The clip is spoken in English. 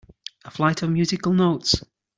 A flight of musical notes.